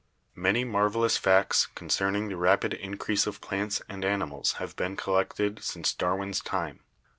Many marvelous facts concerning the rapid increase of plants and animals have been collected since Darwin's time.